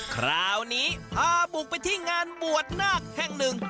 คราวนี้พาบุกไปที่งานบวชนากแหวก์แห่งนึง